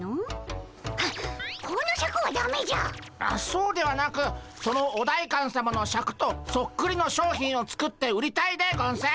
そうではなくそのお代官さまのシャクとそっくりの商品を作って売りたいでゴンス。